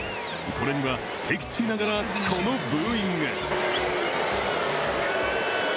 これには敵地ながらこのブーイング。